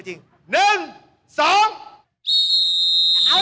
เร็ว